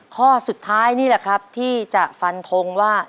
ข้อสุดท้ายนี่แหละครับที่จะฟันทงว่า